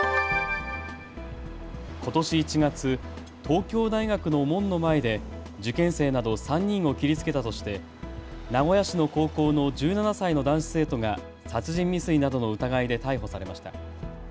ことし１月、東京大学の門の前で受験生など３人を切りつけたとして名古屋市の高校の１７歳の男子生徒が殺人未遂などの疑いで逮捕されました。